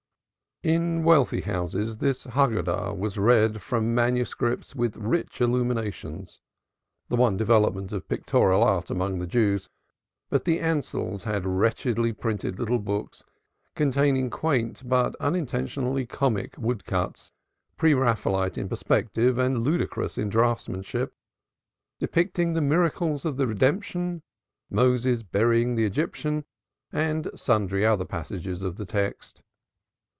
In wealthy houses this Hagadah was read from manuscripts with rich illuminations the one development of pictorial art among the Jews but the Ansells had wretchedly printed little books containing quaint but unintentionally comic wood cuts, pre Raphaelite in perspective and ludicrous in draughtsmanship, depicting the Miracles of the Redemption, Moses burying the Egyptian, and sundry other passages of the text.